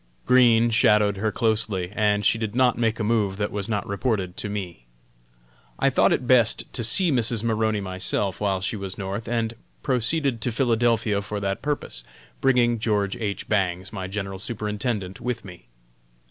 Green shadowed her closely, and she did not make a move that was not reported to me. I thought it best to see Mrs. Maroney myself while she was North, and proceeded to Philadelphia for that purpose, bringing George H. Bangs, my General Superintendent, with me.